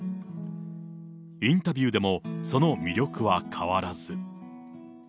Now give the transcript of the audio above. インタビューでもその魅力は変わらず。